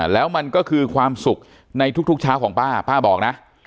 แล้วมันก็คือความสุขในทุกเช้าของป้าป้าบอกนะ